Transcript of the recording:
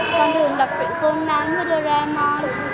con thường đọc truyện quân nắm với đô ra mon